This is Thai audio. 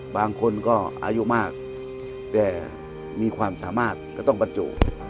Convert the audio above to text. บางคนก็อายุมากแต่มีความสามารถก็ต้องบรรจุ